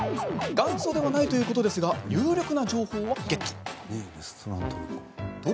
元祖ではないということですが有力な情報はゲット。